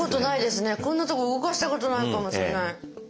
こんなとこ動かしたことないかもしれない。